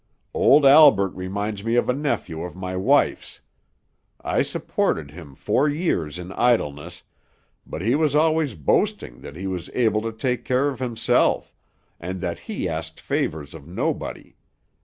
Old Albert reminds me of a nephew of my wife's. I supported him four years in idleness, but he was always boasting that he was able to take care of himself, and that he asked favors of nobody.